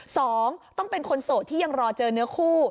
สองต้องเป็นคนโสดที่ยังรอเจอเนื้อคู่